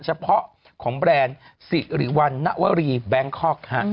เฉพาะของแบรนด์สิริวัณนวรีแบงคอกฮะ